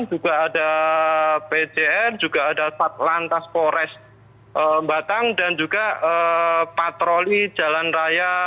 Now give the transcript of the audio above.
juga ada pjr juga ada saat lantas pores batang dan juga patroli jalan raya